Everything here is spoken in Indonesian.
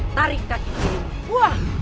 tarik kaki dirimu